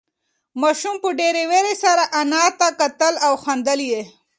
ماشوم په ډېرې وېرې سره انا ته کتل او خندل یې.